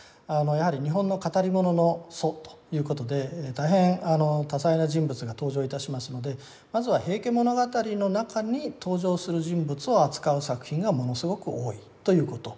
やはり日本の語り物の祖ということで大変多彩な人物が登場いたしますのでまずは「平家物語」の中に登場する人物を扱う作品がものすごく多いということ。